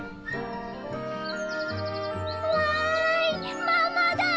わーい！ママだ！